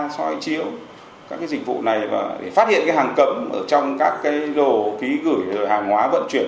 soi chiếu các dịch vụ này và phát hiện hàng cấm ở trong các đồ ký gửi hàng hóa vận chuyển